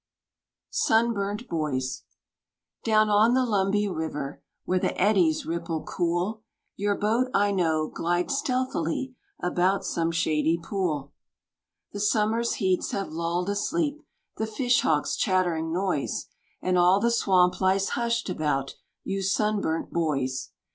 Sunburnt Boys Down on the Lumbee river Where the eddies ripple cool Your boat, I know, glides stealthily About some shady pool. The summer's heats have lulled asleep The fish hawk's chattering noise, And all the swamp lies hushed about You sunburnt boys.